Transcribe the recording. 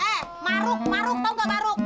eh maruk maruk tau gak baru